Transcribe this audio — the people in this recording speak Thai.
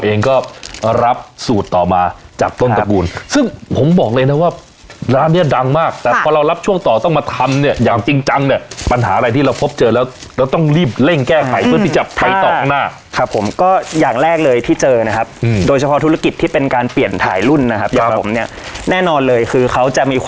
เองก็รับสูตรต่อมาจากต้นตระกูลซึ่งผมบอกเลยนะว่าร้านเนี้ยดังมากแต่พอเรารับช่วงต่อต้องมาทำเนี่ยอย่างจริงจังเนี่ยปัญหาอะไรที่เราพบเจอแล้วเราต้องรีบเร่งแก้ไขเพื่อที่จะไปต่อข้างหน้าครับผมก็อย่างแรกเลยที่เจอนะครับโดยเฉพาะธุรกิจที่เป็นการเปลี่ยนถ่ายรุ่นนะครับอย่างผมเนี่ยแน่นอนเลยคือเขาจะมีค